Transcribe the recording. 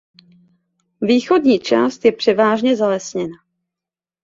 Východní část je převážně zalesněna.